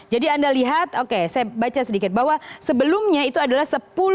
jadi anda lihat oke saya baca sedikit bahwa sebelumnya itu adalah sepuluh dua